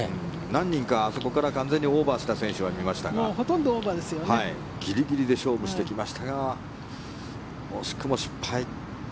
何人かあそこからオーバーした選手は見ましたがギリギリで勝負してきましたが惜しくも失敗。